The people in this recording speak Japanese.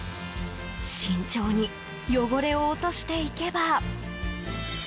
慎重に汚れを落としていけば。